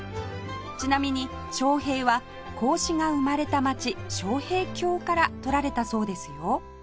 ちなみに昌平は孔子が生まれた街昌平郷から取られたそうですよ